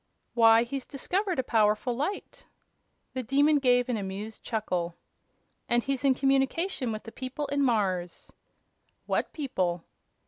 "Why, he's discovered a powerful light," the Demon gave an amused chuckle, "and he's in communication with the people in Mars." "What people?"